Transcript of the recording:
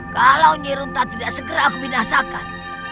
kalau nyerunta tidak segera aku binasakan